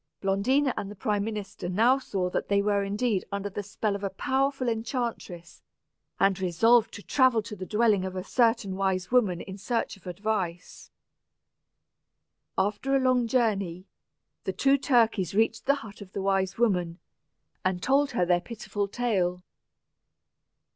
Blondina and the prime minister now saw that they were indeed under the spell of a powerful enchantress, and resolved to travel to the dwelling of a certain wise woman in search of advice. After a long journey, the two turkeys reached the hut of the wise woman, and told her their pitiful tale.